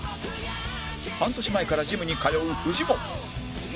半年前からジムに通うフジモン